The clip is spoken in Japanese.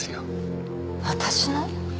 私の？